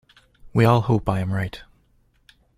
We all hope I am right.